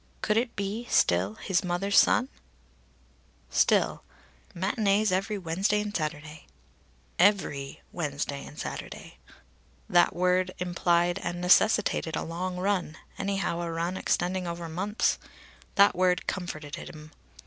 Could it be still his mother's son? Still "matinées every Wednesday and Saturday." "Every Wednesday and Saturday." That word implied and necessitated a long run, anyhow a run extending over months. That word comforted him.